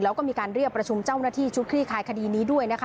แล้วก็มีการเรียกประชุมเจ้าหน้าที่ชุดคลี่คลายคดีนี้ด้วยนะคะ